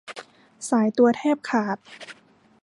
สายตัวแทบขาด